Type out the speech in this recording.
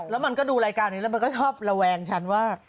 แล้วมันก็ดูรายการนี้แล้วมันก็ชอบระแวงฉันว่า